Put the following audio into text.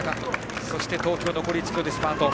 そして東京残り１ｋｍでスパート。